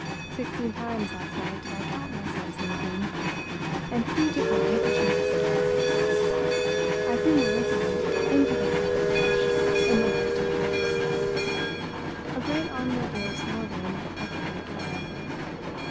Sixteen times last night did I count myself sneezing. And three different handkerchiefs." I threw Mörike into the lilac bush, and went back to the house. A great automobile snorted at the front door.